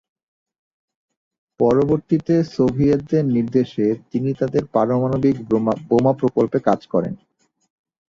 পরবর্তীতে সোভিয়েতদের নির্দেশে তিনি তাদের পারমাণবিক বোমা প্রকল্পে কাজ করেন।